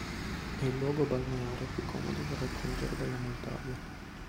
È il luogo balneare più comodo da raggiungere dalla Moldavia.